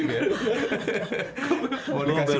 lu udah lupa mau tanya apa tadi